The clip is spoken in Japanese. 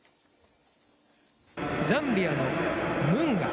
ザンビアのムンガ。